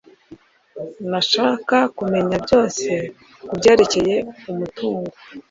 Ndashaka kumenya byose kubyerekeye umutungo